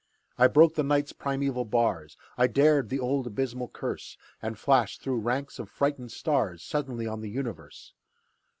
I broke the Night's primeval bars, I dared the old abysmal curse, And flashed through ranks of frightened stars Suddenly on the universe!